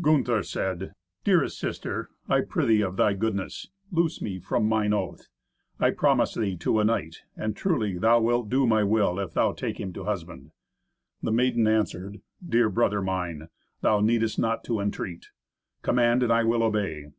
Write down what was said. Gunther said, "Dearest sister, I prithee of thy goodness, loose me from mine oath. I promised thee to a knight; and truly thou wilt do my will, if thou take him to husband." The maiden answered, "Dear brother mine, thou needest not to entreat. Command and I will obey.